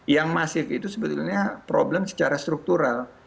yang masif itu sebetulnya problem secara struktural